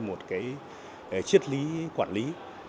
một cái chiếc lý quản lý